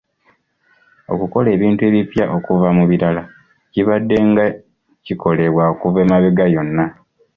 Okukola ebintu ebipya okuva mu birala kibaddenga kikolebwa okuva emabega yonna